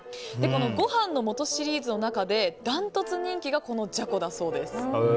この御飯の素シリーズの中でダントツ人気がこのじゃこだそうです。